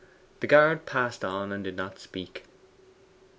The guard passed on and did not speak.